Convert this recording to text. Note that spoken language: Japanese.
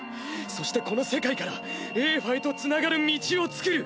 そしてこの世界からエーファへとつながる道を作る。